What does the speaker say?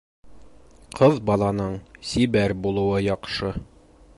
Ҡыҙ баланың сибәр булыуы яҡшы.